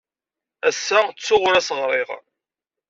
Ass-a ttuɣ ur as-ɣriɣ.